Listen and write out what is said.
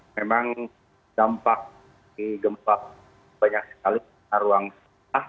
memang dampak gempa banyak sekali di ruang setah